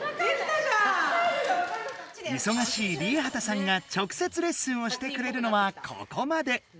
いそがしいＲＩＥＨＡＴＡさんが直接レッスンをしてくれるのはここまで！